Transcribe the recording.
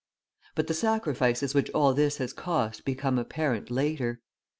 But the sacrifices which all this has cost become apparent later.